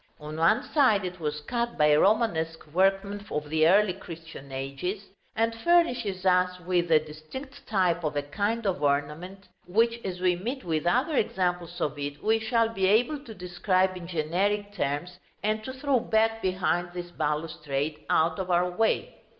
On one side it was cut by Romanesque workmen of the early Christian ages, and furnishes us with a distinct type of a kind of ornament which, as we meet with other examples of it, we shall be able to describe in generic terms, and to throw back behind this balustrade, out of our way.